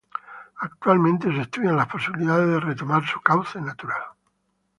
Actualmente, se estudian las posibilidades de retomar su cauce natural.